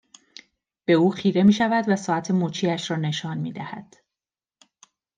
به او خیره میشود و ساعت مچیاش را نشان میدهد